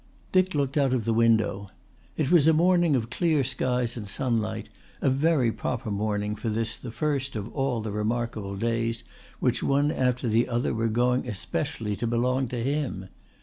Dick looked out of the window. It was a morning of clear skies and sunlight, a very proper morning for this the first of all the remarkable days which one after the other were going especially to belong to him.